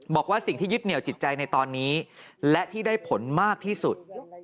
บอกว่าสิ่งที่ยึดเหนียวจิตใจในตอนนี้และที่ได้ผลมากที่สุด